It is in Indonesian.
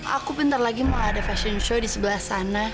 aku pintar lagi mau ada fashion show di sebelah sana